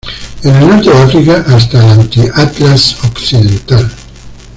En el norte de África hasta el Anti-Atlas occidental.